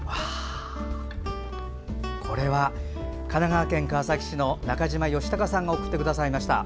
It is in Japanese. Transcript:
これは神奈川県川崎市の中島由嵩さんが送ってくださいました。